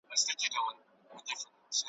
اوس دعا کوی یارانو تر منزله چي رسیږو `